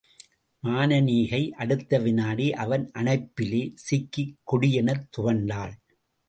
மானனீகை அடுத்த விநாடி அவன் அணைப்பிலே சிக்கிக் கொடியெனத் துவண்டாள்.